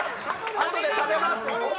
あとで食べます。